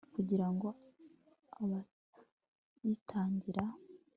kugira abayitangira